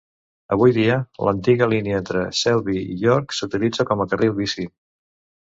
Avui dia, l'antiga línia entre Selby i York s'utilitza com a carril bici.